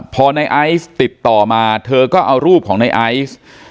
พอในไอซ์ติดต่อมาเธอก็เอารูปของในไอซ์